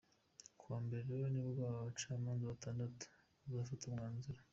Kuwa mbere rero nibwo ba bacamanza batandatu bazafata umwanzuro.